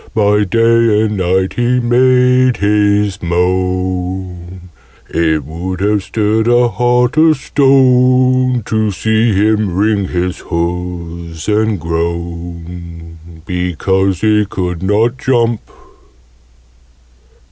By day and night he made his moan: It would have stirred a heart of stone To see him wring his hoofs and groan, Because he could not jump.